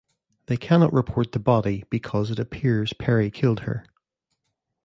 They cannot report the body because it appears Perry killed her.